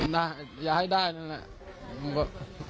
ได้อย่าให้ได้แล้วล่ะ